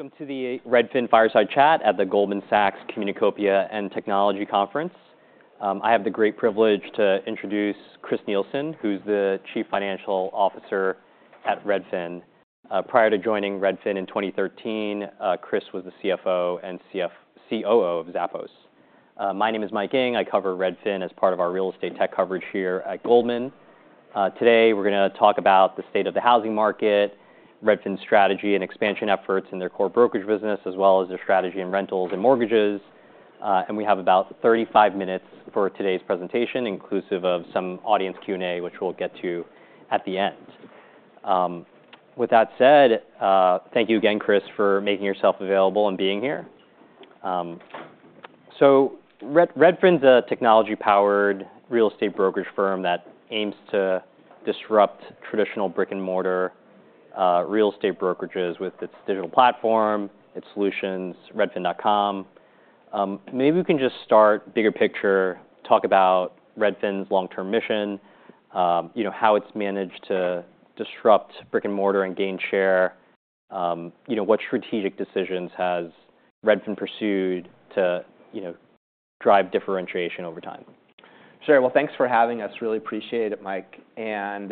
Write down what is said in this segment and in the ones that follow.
Welcome to the Redfin Fireside Chat at the Goldman Sachs Communacopia and Technology Conference. I have the great privilege to introduce Chris Nielsen, who's the Chief Financial Officer at Redfin. Prior to joining Redfin in 2013, Chris was the CFO and COO of Zappos. My name is Mike Ng. I cover Redfin as part of our real estate tech coverage here at Goldman. Today, we're gonna talk about the state of the housing market, Redfin's strategy and expansion efforts in their core brokerage business, as well as their strategy in rentals and mortgages, and we have about 35 minutes for today's presentation, inclusive of some audience Q&A, which we'll get to at the end. With that said, thank you again, Chris, for making yourself available and being here. So Redfin's a technology-powered real estate brokerage firm that aims to disrupt traditional brick-and-mortar real estate brokerages with its digital platform, its solutions, Redfin.com. Maybe we can just start, bigger picture, talk about Redfin's long-term mission, you know, how it's managed to disrupt brick-and-mortar and gain share. You know, what strategic decisions has Redfin pursued to, you know, drive differentiation over time? Sure, well, thanks for having us. Really appreciate it, Mike, and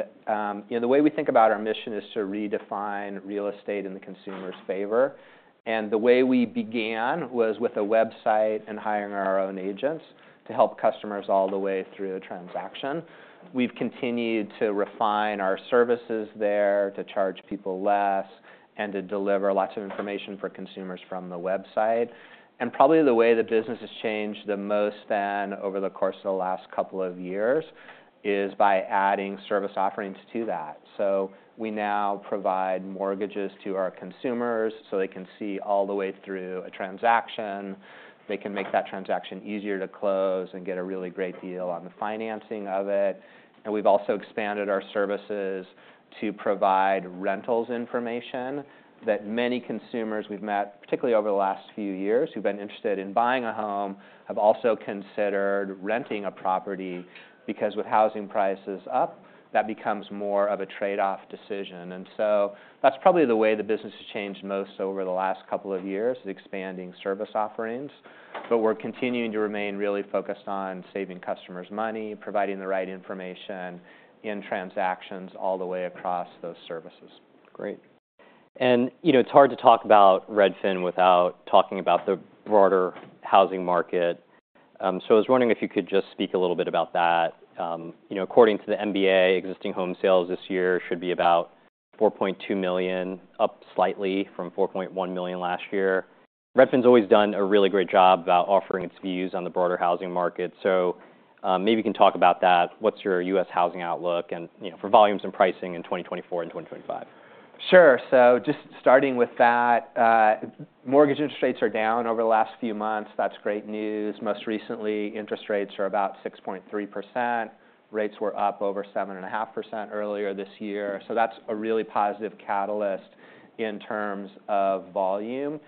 you know, the way we think about our mission is to redefine real estate in the consumer's favor, and the way we began was with a website and hiring our own agents to help customers all the way through a transaction. We've continued to refine our services there, to charge people less, and to deliver lots of information for consumers from the website, and probably the way the business has changed the most then, over the course of the last couple of years, is by adding service offerings to that, so we now provide mortgages to our consumers, so they can see all the way through a transaction. They can make that transaction easier to close and get a really great deal on the financing of it. And we've also expanded our services to provide rentals information that many consumers we've met, particularly over the last few years, who've been interested in buying a home, have also considered renting a property, because with housing prices up, that becomes more of a trade-off decision. And so that's probably the way the business has changed most over the last couple of years, is expanding service offerings. But we're continuing to remain really focused on saving customers money, providing the right information in transactions all the way across those services. Great. And, you know, it's hard to talk about Redfin without talking about the broader housing market. So I was wondering if you could just speak a little bit about that. You know, according to the MBA, existing home sales this year should be about 4.2 million, up slightly from 4.1 million last year. Redfin's always done a really great job about offering its views on the broader housing market, so, maybe you can talk about that. What's your U.S. housing outlook and, you know, for volumes and pricing in 2024 and 2025? Sure. So just starting with that, mortgage interest rates are down over the last few months. That's great news. Most recently, interest rates are about 6.3%. Rates were up over 7.5% earlier this year. So that's a really positive catalyst in terms of volume,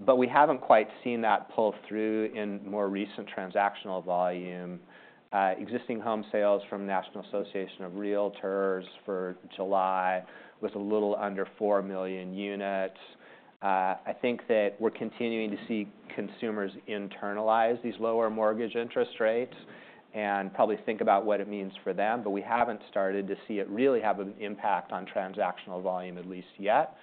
but we haven't quite seen that pull through in more recent transactional volume. Existing home sales from National Association of Realtors for July was a little under four million units. I think that we're continuing to see consumers internalize these lower mortgage interest rates and probably think about what it means for them, but we haven't started to see it really have an impact on transactional volume, at least yet.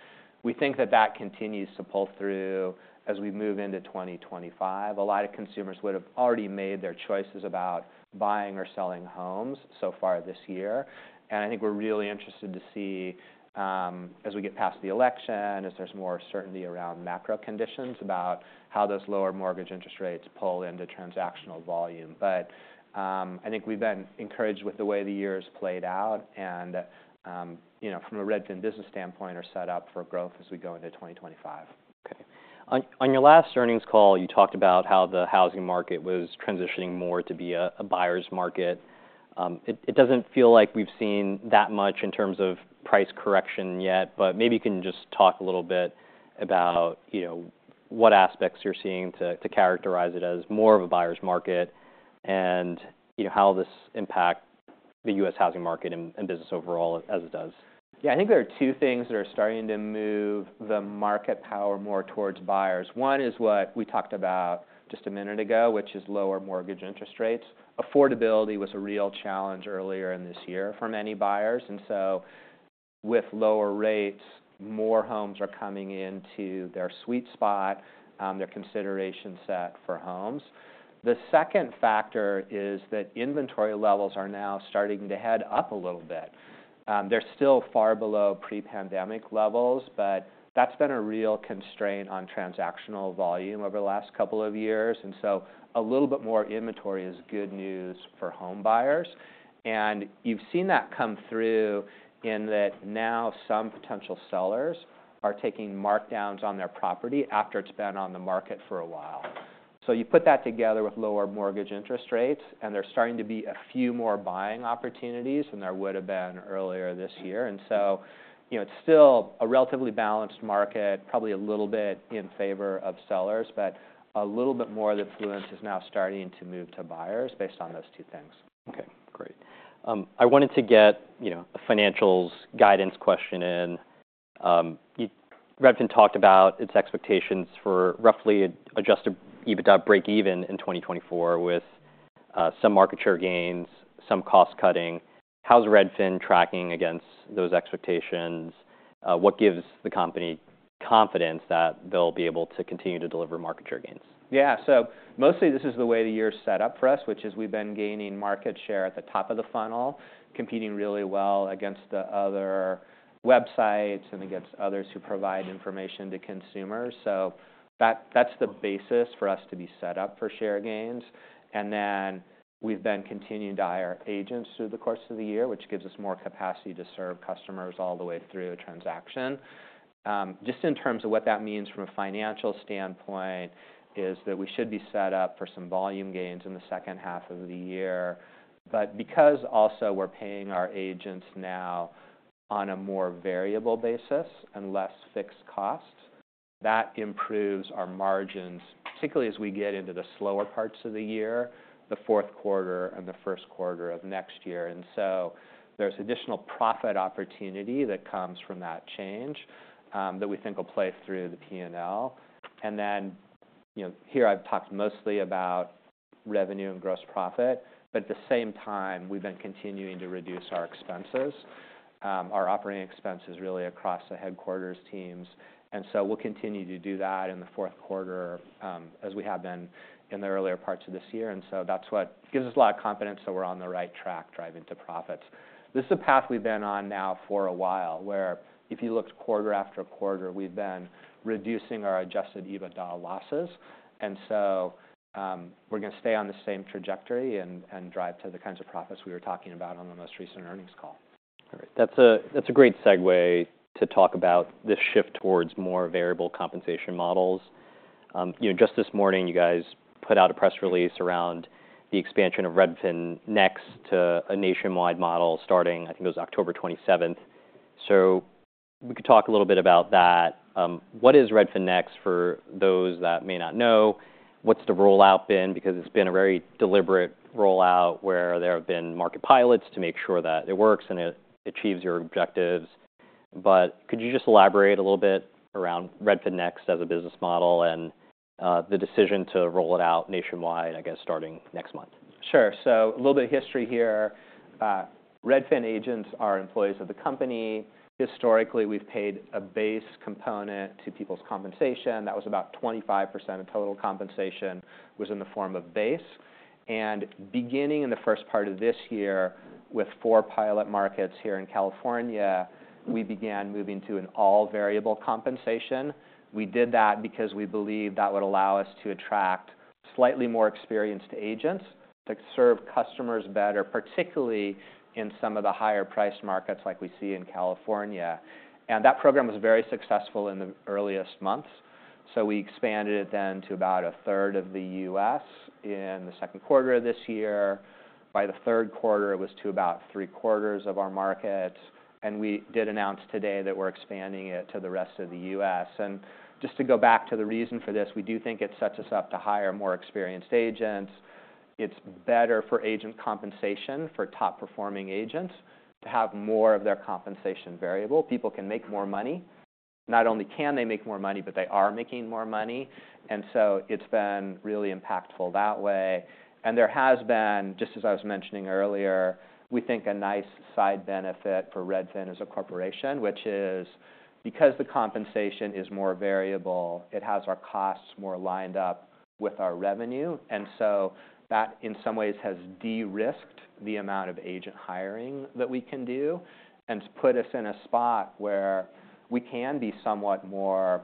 We think that that continues to pull through as we move into 2025. A lot of consumers would have already made their choices about buying or selling homes so far this year, and I think we're really interested to see, as we get past the election, as there's more certainty around macro conditions, about how those lower mortgage interest rates pull into transactional volume. But, I think we've been encouraged with the way the year has played out and, you know, from a Redfin business standpoint, are set up for growth as we go into 2025. Okay. On your last earnings call, you talked about how the housing market was transitioning more to be a buyer's market. It doesn't feel like we've seen that much in terms of price correction yet, but maybe you can just talk a little bit about, you know, what aspects you're seeing to characterize it as more of a buyer's market, and, you know, how this impacts the U.S. housing market and business overall as it does. Yeah, I think there are two things that are starting to move the market power more towards buyers. One is what we talked about just a minute ago, which is lower mortgage interest rates. Affordability was a real challenge earlier in this year for many buyers, and so with lower rates, more homes are coming into their sweet spot, their consideration set for homes. The second factor is that inventory levels are now starting to head up a little bit. They're still far below pre-pandemic levels, but that's been a real constraint on transactional volume over the last couple of years, and so a little bit more inventory is good news for home buyers, and you've seen that come through in that now some potential sellers are taking markdowns on their property after it's been on the market for a while. So you put that together with lower mortgage interest rates, and there's starting to be a few more buying opportunities than there would have been earlier this year. And so, you know, it's still a relatively balanced market, probably a little bit in favor of sellers, but a little bit more of the influence is now starting to move to buyers based on those two things. Okay, great. I wanted to get, you know, a financials guidance question in. You, Redfin talked about its expectations for roughly Adjusted EBITDA breakeven in twenty twenty-four, with some market share gains, some cost cutting. How's Redfin tracking against those expectations? What gives the company confidence that they'll be able to continue to deliver market share gains? Yeah. So mostly this is the way the year set up for us, which is we've been gaining market share at the top of the funnel, competing really well against the other websites and against others who provide information to consumers. So that, that's the basis for us to be set up for share gains. And then we've then continued to hire agents through the course of the year, which gives us more capacity to serve customers all the way through a transaction. Just in terms of what that means from a financial standpoint, is that we should be set up for some volume gains in the second half of the year. But because also we're paying our agents now on a more variable basis and less fixed costs, that improves our margins, particularly as we get into the slower parts of the year, the Q4 and the Q1 of next year. And so there's additional profit opportunity that comes from that change, that we think will play through the P&L. And then, you know, here I've talked mostly about revenue and gross profit, but at the same time, we've been continuing to reduce our expenses, our operating expenses, really across the headquarters teams. And so we'll continue to do that in the Q4, as we have been in the earlier parts of this year. And so that's what gives us a lot of confidence that we're on the right track, driving to profits. This is a path we've been on now for a while, where if you looked quarter after quarter, we've been reducing our Adjusted EBITDA losses, and so we're gonna stay on the same trajectory and drive to the kinds of profits we were talking about on the most recent earnings call. Great. That's a great segue to talk about this shift towards more variable compensation models. You know, just this morning, you guys put out a press release around the expansion of Redfin Next to a nationwide model, starting, I think, it was October twenty-seventh, so if we could talk a little bit about that. What is Redfin Next, for those that may not know? What's the rollout been? Because it's been a very deliberate rollout, where there have been market pilots to make sure that it works and it achieves your objectives, but could you just elaborate a little bit around Redfin Next as a business model and the decision to roll it out nationwide, I guess, starting next month? Sure. So a little bit of history here. Redfin agents are employees of the company. Historically, we've paid a base component to people's compensation. That was about 25% of total compensation was in the form of base. And beginning in the first part of this year, with four pilot markets here in California, we began moving to an all variable compensation. We did that because we believed that would allow us to attract slightly more experienced agents to serve customers better, particularly in some of the higher priced markets, like we see in California. And that program was very successful in the earliest months, so we expanded it then to about a third of the U.S. in the Q2 of this year. By the Q3, it was to about three quarters of our market, and we did announce today that we're expanding it to the rest of the U.S., and just to go back to the reason for this, we do think it sets us up to hire more experienced agents. It's better for agent compensation, for top performing agents, to have more of their compensation variable. People can make more money. Not only can they make more money, but they are making more money, and so it's been really impactful that way, and there has been, just as I was mentioning earlier, we think a nice side benefit for Redfin as a corporation, which is, because the compensation is more variable, it has our costs more lined up with our revenue. And so that, in some ways, has de-risked the amount of agent hiring that we can do and put us in a spot where we can be somewhat more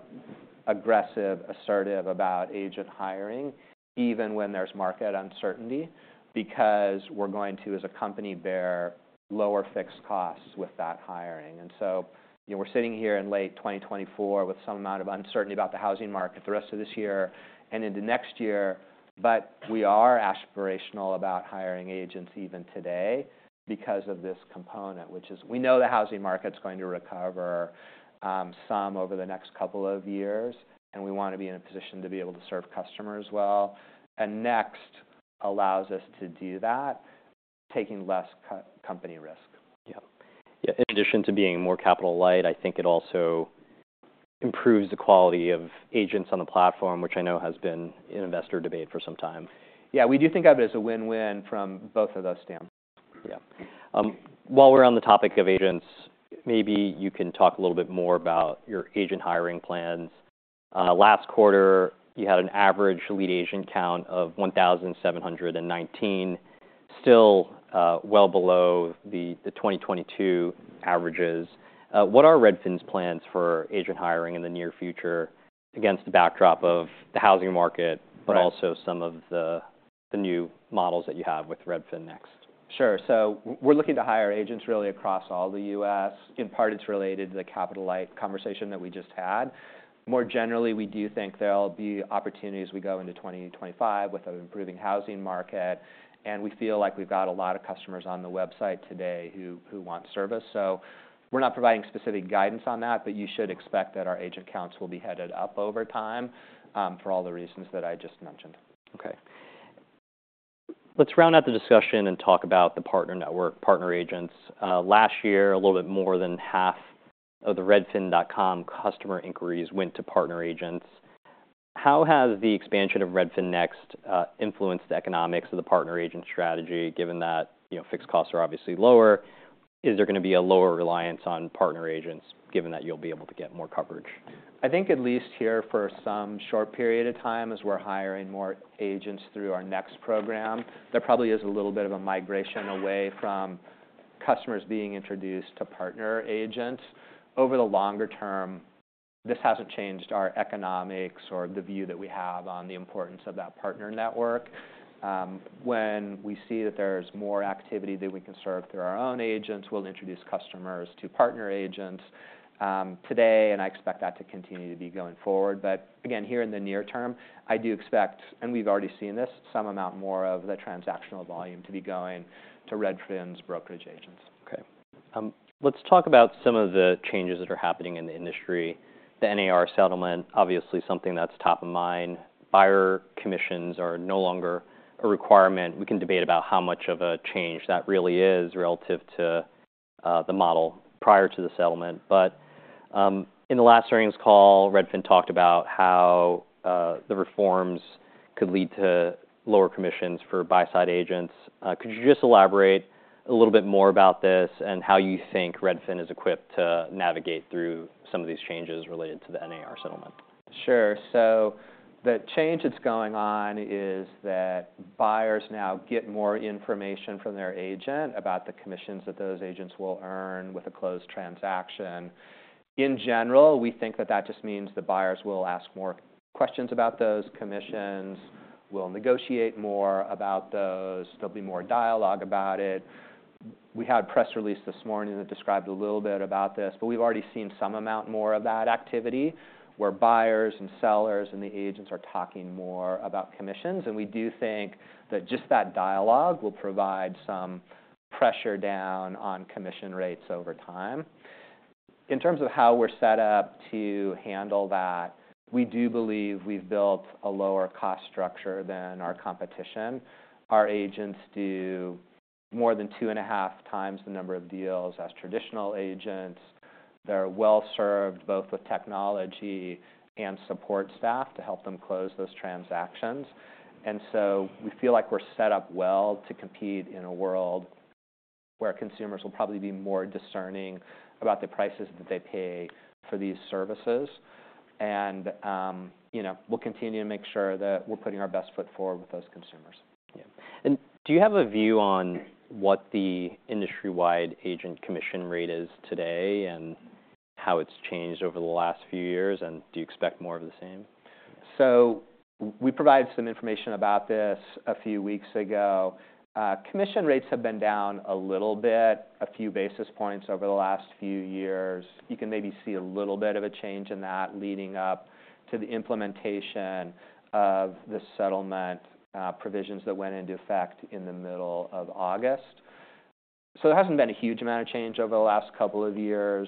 aggressive, assertive about agent hiring, even when there's market uncertainty, because we're going to, as a company, bear lower fixed costs with that hiring. And so, you know, we're sitting here in late twenty twenty-four with some amount of uncertainty about the housing market the rest of this year and into next year, but we are aspirational about hiring agents even today because of this component, which is we know the housing market's going to recover, some over the next couple of years, and we want to be in a position to be able to serve customers well. And Next allows us to do that, taking less company risk. Yeah. Yeah, in addition to being more capital light, I think it also improves the quality of agents on the platform, which I know has been an investor debate for some time. Yeah, we do think of it as a win-win from both of those standpoints. Yeah. While we're on the topic of agents, maybe you can talk a little bit more about your agent hiring plans. Last quarter, you had an average lead agent count of 1,719, still well below the 2022 averages. What are Redfin's plans for agent hiring in the near future against the backdrop of the housing market? Right... but also some of the new models that you have with Redfin Next? Sure. So we're looking to hire agents really across all the U.S. In part, it's related to the capital light conversation that we just had. More generally, we do think there'll be opportunities as we go into twenty twenty-five with an improving housing market, and we feel like we've got a lot of customers on the website today who want service. So we're not providing specific guidance on that, but you should expect that our agent counts will be headed up over time, for all the reasons that I just mentioned. Okay. Let's round out the discussion and talk about the partner network, partner agents. Last year, a little bit more than half of the Redfin.com customer inquiries went to partner agents. How has the expansion of Redfin Next influenced the economics of the partner agent strategy, given that, you know, fixed costs are obviously lower? Is there gonna be a lower reliance on partner agents, given that you'll be able to get more coverage? I think at least here for some short period of time, as we're hiring more agents through our Next program, there probably is a little bit of a migration away from customers being introduced to partner agents. Over the longer term, this hasn't changed our economics or the view that we have on the importance of that partner network. When we see that there's more activity that we can serve through our own agents, we'll introduce customers to partner agents, today, and I expect that to continue to be going forward. But again, here in the near term, I do expect, and we've already seen this, some amount more of the transactional volume to be going to Redfin's brokerage agents. Okay. Let's talk about some of the changes that are happening in the industry. The NAR settlement, obviously, something that's top of mind. Buyer commissions are no longer a requirement. We can debate about how much of a change that really is relative to, the model prior to the settlement. But, in the last earnings call, Redfin talked about how, the reforms could lead to lower commissions for buy-side agents. Could you just elaborate a little bit more about this, and how you think Redfin is equipped to navigate through some of these changes related to the NAR settlement? Sure. So the change that's going on is that buyers now get more information from their agent about the commissions that those agents will earn with a closed transaction. In general, we think that that just means the buyers will ask more questions about those commissions, will negotiate more about those, there'll be more dialogue about it. We had a press release this morning that described a little bit about this, but we've already seen some amount more of that activity, where buyers and sellers and the agents are talking more about commissions. And we do think that just that dialogue will provide some pressure down on commission rates over time. In terms of how we're set up to handle that, we do believe we've built a lower cost structure than our competition. Our agents do more than two and a half times the number of deals as traditional agents. They're well served, both with technology and support staff, to help them close those transactions. And, you know, we'll continue to make sure that we're putting our best foot forward with those consumers. Yeah. And do you have a view on what the industry-wide agent commission rate is today and how it's changed over the last few years? And do you expect more of the same? So we provided some information about this a few weeks ago. Commission rates have been down a little bit, a few basis points over the last few years. You can maybe see a little bit of a change in that leading up to the implementation of the settlement provisions that went into effect in the middle of August. So there hasn't been a huge amount of change over the last couple of years.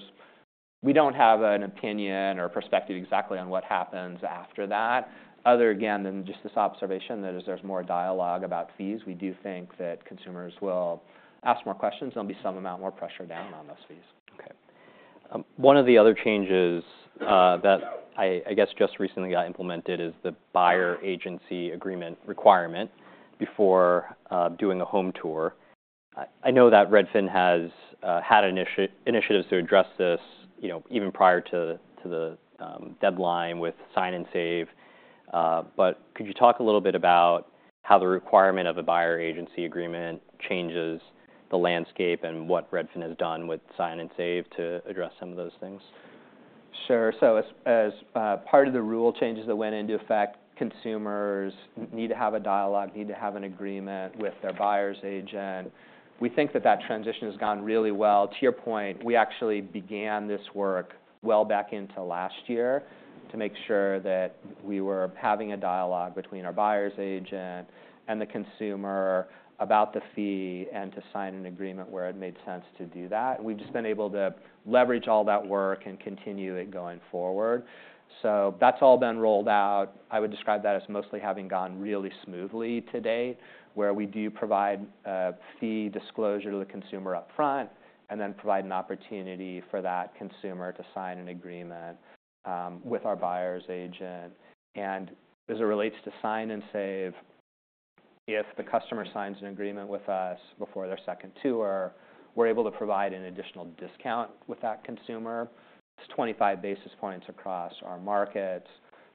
We don't have an opinion or perspective exactly on what happens after that, other again than just this observation, that as there's more dialogue about fees, we do think that consumers will ask more questions. There'll be some amount more pressure down on those fees. Okay. One of the other changes that I guess just recently got implemented is the buyer agency agreement requirement before doing a home tour. I know that Redfin has had initiatives to address this, you know, even prior to the deadline with Sign & Save. But could you talk a little bit about how the requirement of a buyer agency agreement changes the landscape, and what Redfin has done with Sign & Save to address some of those things? Sure, so part of the rule changes that went into effect, consumers need to have a dialogue, need to have an agreement with their buyer's agent. We think that transition has gone really well. To your point, we actually began this work well back into last year, to make sure that we were having a dialogue between our buyer's agent and the consumer about the fee, and to sign an agreement where it made sense to do that. We've just been able to leverage all that work and continue it going forward, so that's all been rolled out. I would describe that as mostly having gone really smoothly to date, where we do provide a fee disclosure to the consumer upfront, and then provide an opportunity for that consumer to sign an agreement with our buyer's agent. As it relates to Sign & Save, if the customer signs an agreement with us before their second tour, we're able to provide an additional discount with that consumer. It's 25 basis points across our markets,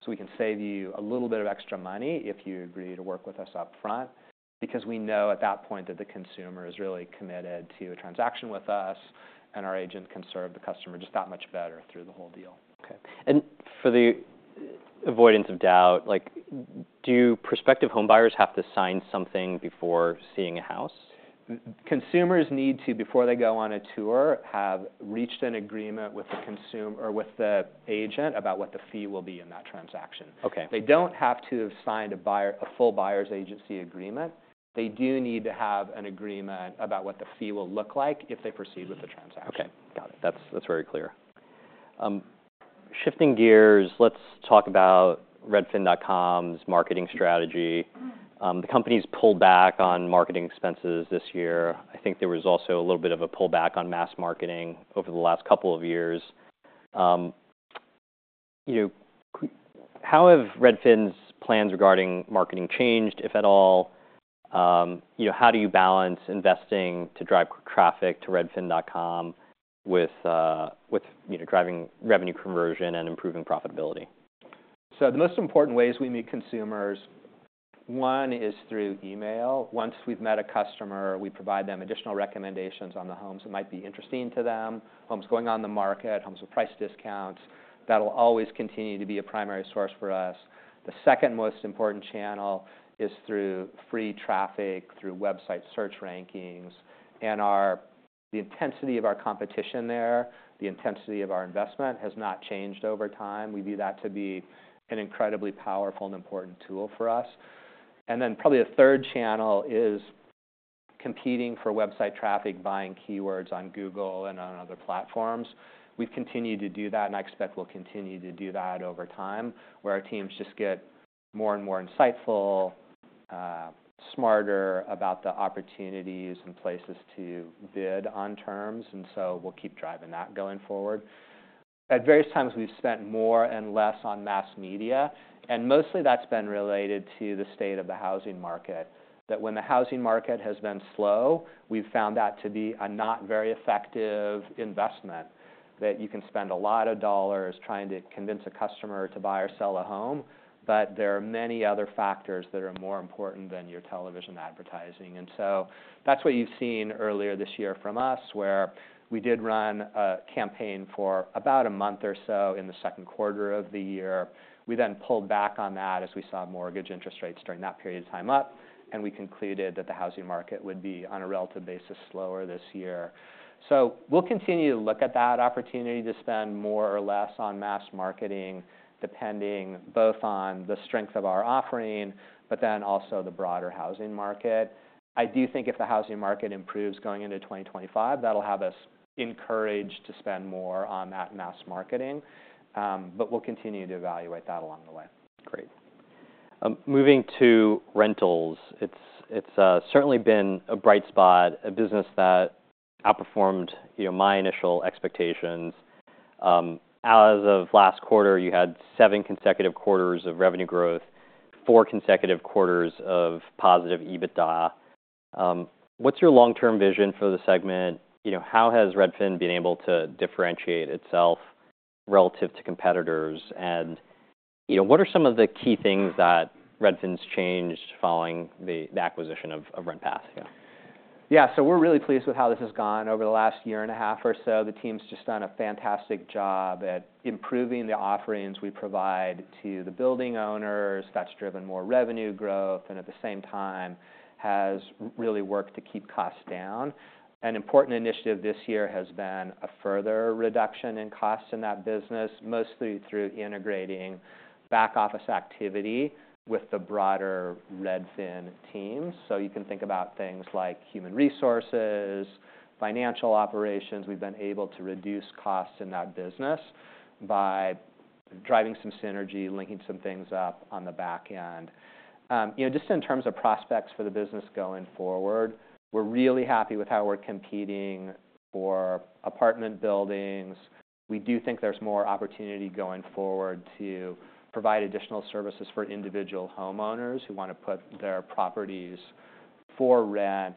so we can save you a little bit of extra money if you agree to work with us upfront, because we know at that point that the consumer is really committed to a transaction with us, and our agent can serve the customer just that much better through the whole deal. Okay. And for the avoidance of doubt, like, do prospective home buyers have to sign something before seeing a house? Consumers need to, before they go on a tour, have reached an agreement with the consumer or with the agent about what the fee will be in that transaction. Okay. They don't have to have signed a full buyer's agency agreement. They do need to have an agreement about what the fee will look like if they proceed with the transaction. Okay. Got it. That's very clear. Shifting gears, let's talk about Redfin.com's marketing strategy. The company's pulled back on marketing expenses this year. I think there was also a little bit of a pullback on mass marketing over the last couple of years. How have Redfin's plans regarding marketing changed, if at all? You know, how do you balance investing to drive traffic to Redfin.com with driving revenue conversion and improving profitability? So the most important ways we meet consumers, one is through email. Once we've met a customer, we provide them additional recommendations on the homes that might be interesting to them, homes going on the market, homes with price discounts. That'll always continue to be a primary source for us. The second most important channel is through free traffic, through website search rankings, and the intensity of our competition there, the intensity of our investment, has not changed over time. We view that to be an incredibly powerful and important tool for us. And then, probably the third channel is competing for website traffic, buying keywords on Google and on other platforms. We've continued to do that, and I expect we'll continue to do that over time, where our teams just get more and more insightful, smarter about the opportunities and places to bid on terms. And so we'll keep driving that going forward. At various times, we've spent more and less on mass media, and mostly that's been related to the state of the housing market. That when the housing market has been slow, we've found that to be a not very effective investment. That you can spend a lot of dollars trying to convince a customer to buy or sell a home, but there are many other factors that are more important than your television advertising. And so that's what you've seen earlier this year from us, where we did run a campaign for about a month or so in the Q2 of the year. We then pulled back on that as we saw mortgage interest rates during that period of time up, and we concluded that the housing market would be, on a relative basis, slower this year. We'll continue to look at that opportunity to spend more or less on mass marketing, depending both on the strength of our offering, but then also the broader housing market. I do think if the housing market improves going into 2025, that'll have us encouraged to spend more on that mass marketing, but we'll continue to evaluate that along the way. Great. Moving to rentals, it's certainly been a bright spot, a business that outperformed, you know, my initial expectations. As of last quarter, you had seven consecutive quarters of revenue growth, four consecutive quarters of positive EBITDA. What's your long-term vision for the segment? You know, how has Redfin been able to differentiate itself relative to competitors? And, you know, what are some of the key things that Redfin's changed following the acquisition of RentPath? Yeah. So we're really pleased with how this has gone over the last year and a half or so. The team's just done a fantastic job at improving the offerings we provide to the building owners. That's driven more revenue growth, and at the same time, has really worked to keep costs down. An important initiative this year has been a further reduction in costs in that business, mostly through integrating back office activity with the broader Redfin teams. So you can think about things like human resources, financial operations. We've been able to reduce costs in that business by driving some synergy, linking some things up on the back end. You know, just in terms of prospects for the business going forward, we're really happy with how we're competing for apartment buildings. We do think there's more opportunity going forward to provide additional services for individual homeowners who want to put their properties for rent,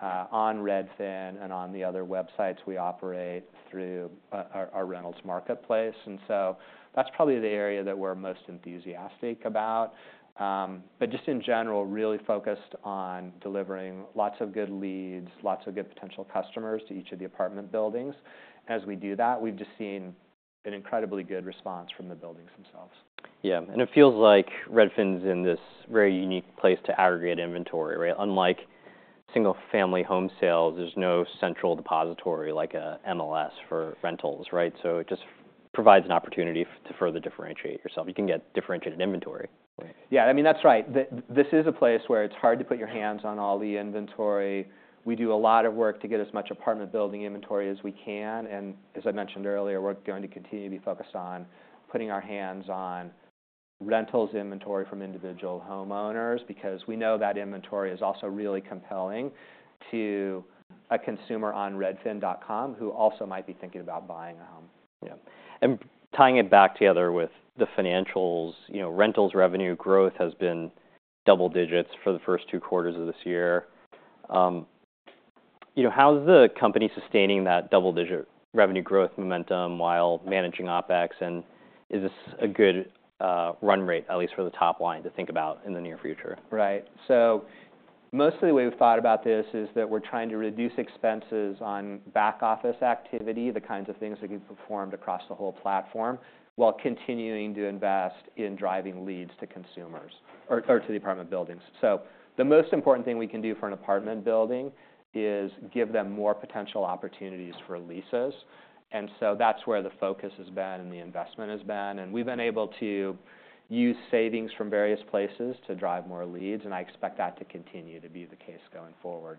on Redfin and on the other websites we operate through, our rentals marketplace. And so that's probably the area that we're most enthusiastic about. But just in general, really focused on delivering lots of good leads, lots of good potential customers to each of the apartment buildings. As we do that, we've just seen an incredibly good response from the buildings themselves. Yeah, and it feels like Redfin's in this very unique place to aggregate inventory, right? Unlike single-family home sales, there's no central depository like a MLS for rentals, right? So it just provides an opportunity to further differentiate yourself. You can get differentiated inventory. Yeah, I mean, that's right. This is a place where it's hard to put your hands on all the inventory. We do a lot of work to get as much apartment building inventory as we can, and as I mentioned earlier, we're going to continue to be focused on putting our hands on rentals inventory from individual homeowners, because we know that inventory is also really compelling to a consumer on Redfin.com, who also might be thinking about buying a home. Yeah. And tying it back together with the financials, you know, rentals revenue growth has been double digits for the first two quarters of this year. You know, how is the company sustaining that double-digit revenue growth momentum while managing OpEx? And is this a good run rate, at least for the top line, to think about in the near future? Right, so mostly, the way we've thought about this is that we're trying to reduce expenses on back office activity, the kinds of things that get performed across the whole platform, while continuing to invest in driving leads to consumers or, or to the apartment buildings, so the most important thing we can do for an apartment building is give them more potential opportunities for leases, and so that's where the focus has been and the investment has been, and we've been able to use savings from various places to drive more leads, and I expect that to continue to be the case going forward.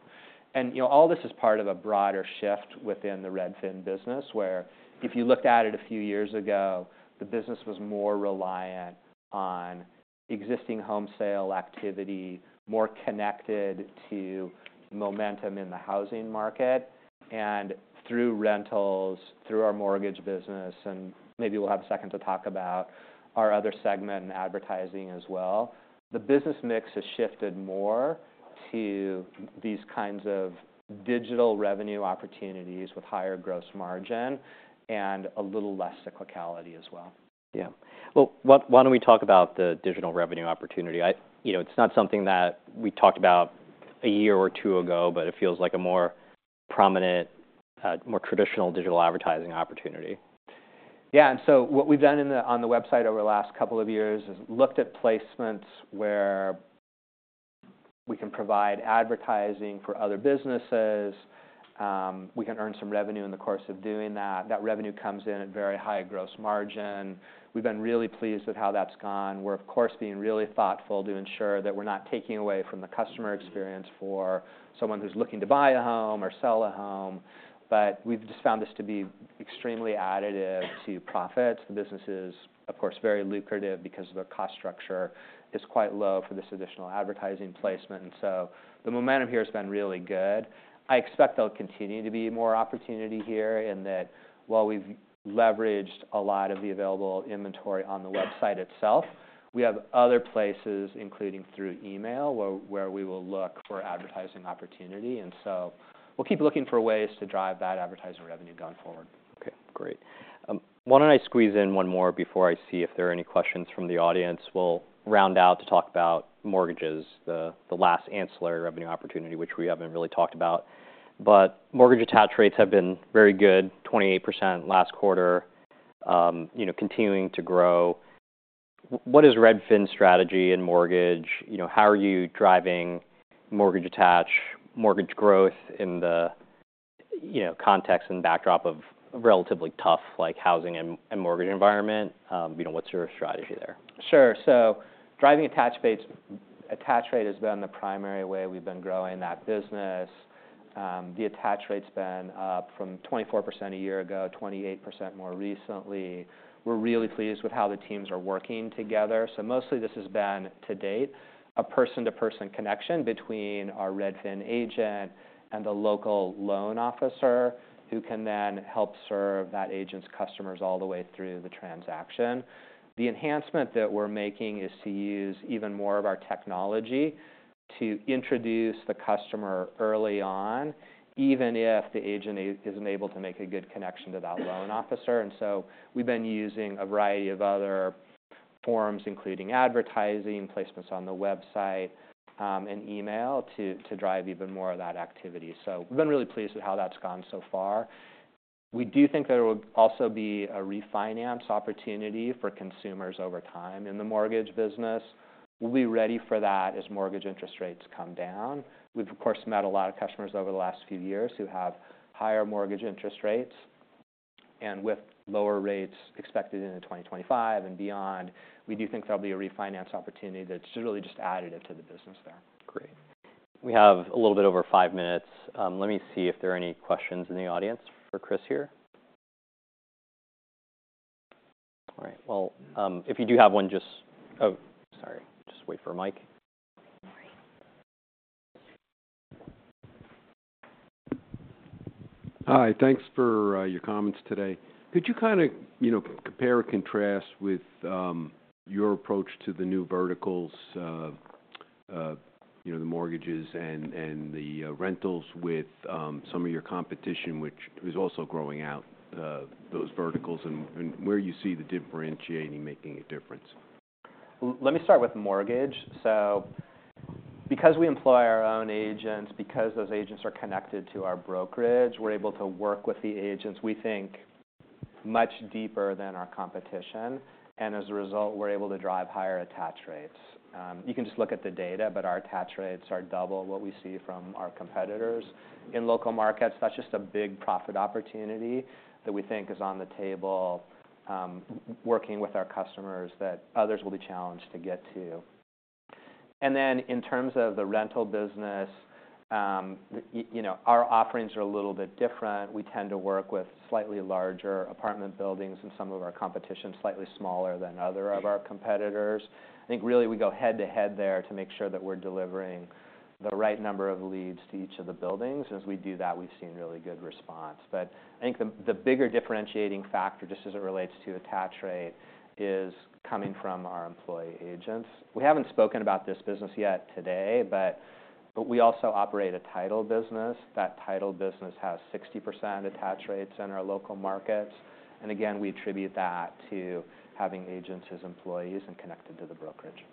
And, you know, all this is part of a broader shift within the Redfin business, where if you looked at it a few years ago, the business was more reliant on existing home sale activity, more connected to momentum in the housing market and through rentals, through our mortgage business, and maybe we'll have a second to talk about our other segment in advertising as well. The business mix has shifted more to these kinds of digital revenue opportunities with higher gross margin and a little less cyclicality as well. Yeah. Well, why, why don't we talk about the digital revenue opportunity? You know, it's not something that we talked about a year or two ago, but it feels like a more prominent, more traditional digital advertising opportunity. Yeah. And so what we've done on the website over the last couple of years is looked at placements where we can provide advertising for other businesses. We can earn some revenue in the course of doing that. That revenue comes in at very high gross margin. We've been really pleased with how that's gone. We're, of course, being really thoughtful to ensure that we're not taking away from the customer experience for someone who's looking to buy a home or sell a home, but we've just found this to be extremely additive to profits. The business is, of course, very lucrative because their cost structure is quite low for this additional advertising placement. And so the momentum here has been really good. I expect there'll continue to be more opportunity here, and that while we've leveraged a lot of the available inventory on the website itself, we have other places, including through email, where we will look for advertising opportunity, and so we'll keep looking for ways to drive that advertising revenue going forward. Okay, great. Why don't I squeeze in one more before I see if there are any questions from the audience? We'll round out to talk about mortgages, the last ancillary revenue opportunity, which we haven't really talked about. But mortgage attach rates have been very good, 28% last quarter, you know, continuing to grow. What is Redfin's strategy in mortgage? You know, how are you driving mortgage attach, mortgage growth in the, you know, context and backdrop of a relatively tough, like, housing and mortgage environment? You know, what's your strategy there? Sure. So driving attach rates. Attach rate has been the primary way we've been growing that business. The attach rate's been up from 24% a year ago, 28% more recently. We're really pleased with how the teams are working together. So mostly this has been, to date, a person-to-person connection between our Redfin agent and the local loan officer, who can then help serve that agent's customers all the way through the transaction. The enhancement that we're making is to use even more of our technology to introduce the customer early on, even if the agent isn't able to make a good connection to that loan officer. And so we've been using a variety of other forms, including advertising, placements on the website, and email, to drive even more of that activity. So we've been really pleased with how that's gone so far. We do think there will also be a refinance opportunity for consumers over time in the mortgage business. We'll be ready for that as mortgage interest rates come down. We've, of course, met a lot of customers over the last few years who have higher mortgage interest rates, and with lower rates expected into twenty twenty-five and beyond, we do think there'll be a refinance opportunity that's really just additive to the business there. Great. We have a little bit over five minutes. Let me see if there are any questions in the audience for Chris here. All right. Well, if you do have one, just... Oh, sorry. Just wait for a mic. Hi, thanks for your comments today. Could you kind of, you know, compare or contrast with your approach to the new verticals, you know, the mortgages and the rentals with some of your competition, which is also growing out those verticals, and where you see the differentiating making a difference? Let me start with mortgage. So because we employ our own agents, because those agents are connected to our brokerage, we're able to work with the agents, we think, much deeper than our competition, and as a result, we're able to drive higher attach rates. You can just look at the data, but our attach rates are double what we see from our competitors. In local markets, that's just a big profit opportunity that we think is on the table, working with our customers, that others will be challenged to get to. And then, in terms of the rental business, you know, our offerings are a little bit different. We tend to work with slightly larger apartment buildings, and some of our competition, slightly smaller than other of our competitors. I think, really, we go head-to-head there to make sure that we're delivering the right number of leads to each of the buildings. As we do that, we've seen really good response. But I think the bigger differentiating factor, just as it relates to attach rate, is coming from our employee agents. We haven't spoken about this business yet today, but we also operate a title business. That title business has 60% attach rates in our local markets, and again, we attribute that to having agents as employees and connected to the brokerage.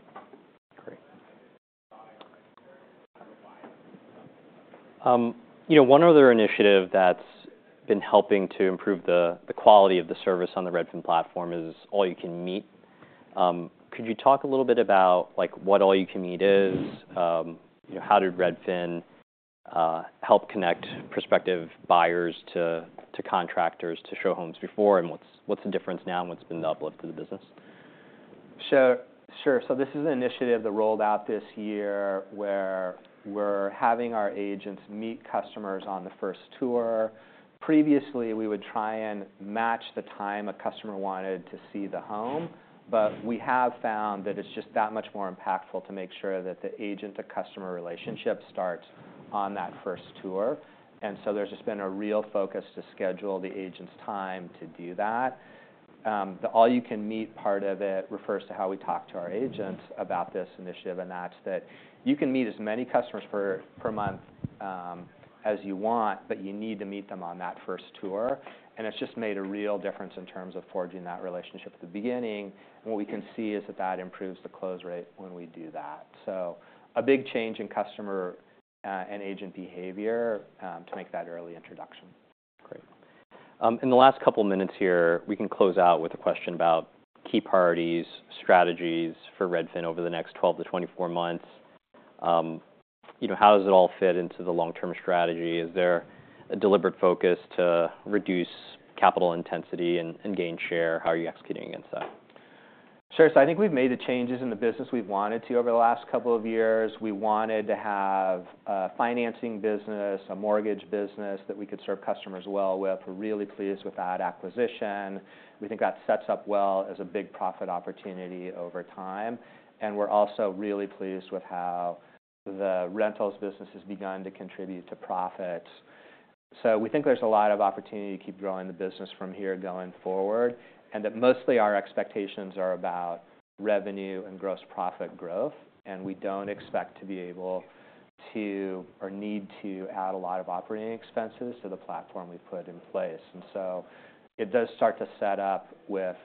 Great. You know, one other initiative that's been helping to improve the quality of the service on the Redfin platform is All-You-Can-Meet. Could you talk a little bit about, like, what All-You-Can-Meet is? You know, how did Redfin help connect prospective buyers to contractors to show homes before, and what's the difference now, and what's been the uplift to the business? Sure, sure, so this is an initiative that rolled out this year, where we're having our agents meet customers on the first tour. Previously, we would try and match the time a customer wanted to see the home, but we have found that it's just that much more impactful to make sure that the agent-to-customer relationship starts on that first tour, and so there's just been a real focus to schedule the agent's time to do that. The All-You-Can-Meet part of it refers to how we talk to our agents about this initiative, and that's that you can meet as many customers per month as you want, but you need to meet them on that first tour, and it's just made a real difference in terms of forging that relationship at the beginning. And what we can see is that that improves the close rate when we do that. So a big change in customer and agent behavior to make that early introduction. Great. In the last couple minutes here, we can close out with a question about key priorities, strategies for Redfin over the next twelve to twenty-four months. You know, how does it all fit into the long-term strategy? Is there a deliberate focus to reduce capital intensity and gain share? How are you executing against that? Sure. So I think we've made the changes in the business we've wanted to over the last couple of years. We wanted to have a financing business, a mortgage business that we could serve customers well with. We're really pleased with that acquisition. We think that sets up well as a big profit opportunity over time, and we're also really pleased with how the rentals business has begun to contribute to profit. So we think there's a lot of opportunity to keep growing the business from here going forward, and that mostly our expectations are about revenue and gross profit growth, and we don't expect to be able to or need to add a lot of operating expenses to the platform we've put in place. And so it does start to set up with-